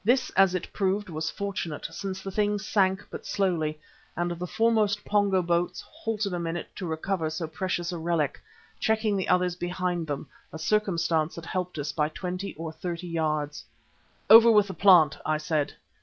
This, as it proved, was fortunate, since the thing sank but slowly and the foremost Pongo boats halted a minute to recover so precious a relic, checking the others behind them, a circumstance that helped us by twenty or thirty yards. "Over with the plant!" I said.